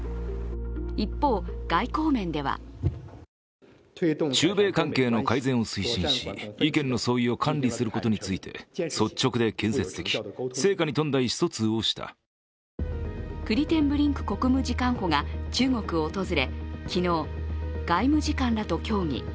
一方、外交面ではクリテンブリンク国務次官補が中国を訪れ、昨日、外務次官らと協議。